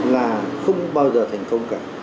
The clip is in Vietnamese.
là không bao giờ thành công cả